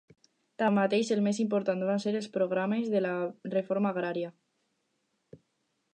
Tanmateix, el més important van ser els programes de la reforma agrària.